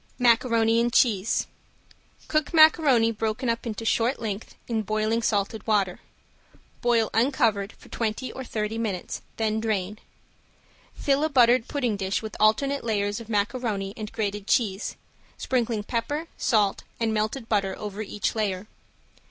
~MACARONI AND CHEESE~ Cook macaroni broken up into short length in boiling salted water. Boil uncovered for twenty or thirty minutes, then drain. Fill a buttered pudding dish with alternate layers of macaroni and grated cheese, sprinkling pepper, salt and melted butter over each layer.